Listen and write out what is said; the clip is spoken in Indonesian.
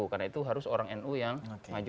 karena itu harus orang nu yang maju